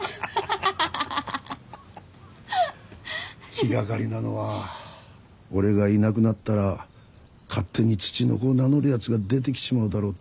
気掛かりなのは俺がいなくなったら勝手にツチノコを名乗るやつが出てきちまうだろうってことだが。